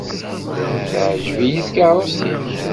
Teεǧeb-iyi tkerrust-ik.